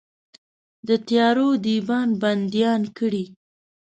د تیارو دیبان بنديان کړئ